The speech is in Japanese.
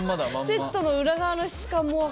セットの裏側の質感も分かる。